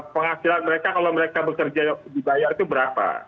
penghasilan mereka kalau mereka bekerja dibayar itu berapa